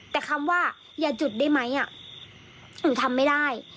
แต่คำว่าอย่าจุดได้ไหมหนูทำไม่ได้